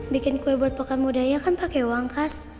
bikin kue buat pekan budaya kan pake uang khas